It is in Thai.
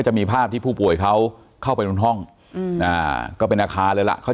จะมีภาพที่ผู้ป่วยเขาเข้าไปบนห้องก็เป็นอาคารเลยล่ะเขา